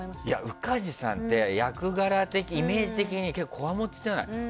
宇梶さんって役柄的に、イメージ的に結構こわもてじゃない。